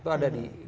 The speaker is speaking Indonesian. itu ada di gerd